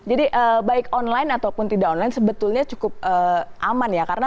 jadi baik online ataupun tidak online sebetulnya cukup aman ya